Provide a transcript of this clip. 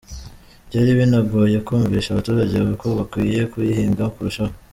Byari binagoye kumvisha abaturage ko bakwiye kuyihinga kurushaho.